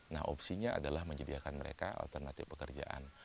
nah opsinya adalah menyediakan mereka alternatif pekerjaan